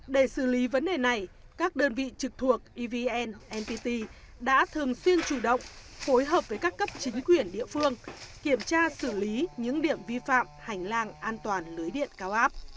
để xử lý vấn đề này các đơn vị trực thuộc evn npt đã thường xuyên chủ động phối hợp với các cấp chính quyền địa phương kiểm tra xử lý những điểm vi phạm hành lang an toàn lưới điện cao áp